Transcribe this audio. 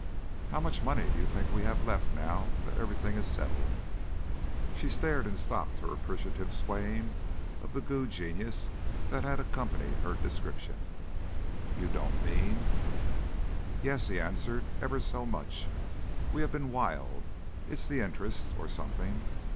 "How much money do you think we have left, now that everything is settled?" She stared and stopped her appreciative swaying of the Goo genius that had accompanied her description. "You don't mean...?" "Yes," he answered. "Ever so much. We have been wild. It's the interest. Or something.